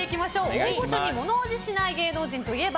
大御所に物怖じしない芸能人といえば？